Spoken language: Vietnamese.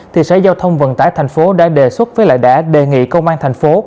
thị xã giao thông vận tải thành phố đã đề xuất với lại đã đề nghị công an thành phố